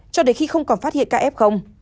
cho đến khi không còn phát hiện kf